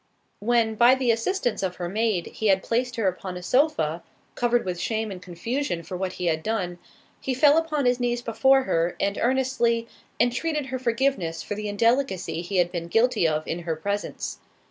When, by the assistance of her maid, he had placed her upon a sofa—covered with shame and confusion for what he had done, he fell upon his knees before her, and earnestly "Entreated her forgiveness for the indelicacy he had been guilty of in her presence."